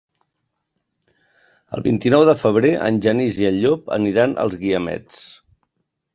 El vint-i-nou de febrer en Genís i en Llop aniran als Guiamets.